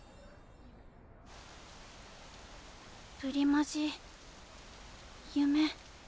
プリマジ夢。